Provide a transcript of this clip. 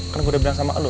kan gue udah bilang sama lo